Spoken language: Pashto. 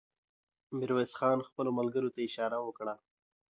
ميرويس خان خپلو ملګرو ته اشاره وکړه.